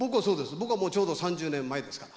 僕はもうちょうど３０年前ですから。